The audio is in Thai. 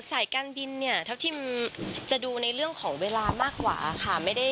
สายการบินเนี่ยทัพทิมจะดูในเรื่องของเวลามากกว่าค่ะ